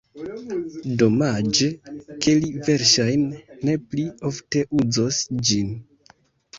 Domaĝe ke li verŝajne ne pli ofte uzos ĝin.